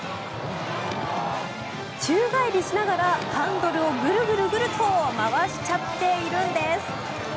宙返りしながらハンドルをグルグルと回しちゃっているんです。